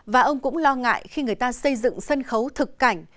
và ông cũng lo ngại khi người ta xây dựng sân khấu thực cảnh